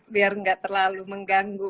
biar nggak terlalu mengganggu